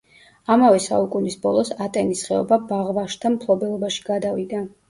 ამავე საუკუნის ბოლოს ატენის ხეობა ბაღვაშთა მფლობელობაში გადავიდა.